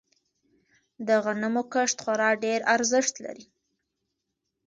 د غنمو کښت خورا ډیر ارزښت لری.